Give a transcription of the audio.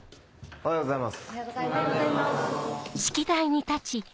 おはようございます。